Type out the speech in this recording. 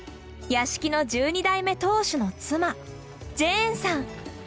屋敷の１２代目当主の妻ジェーンさん。